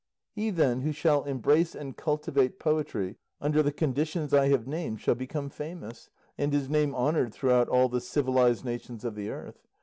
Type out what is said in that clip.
He, then, who shall embrace and cultivate poetry under the conditions I have named, shall become famous, and his name honoured throughout all the civilised nations of the earth.